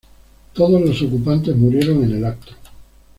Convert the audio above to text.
Todos los ocupantes murieron en el acto.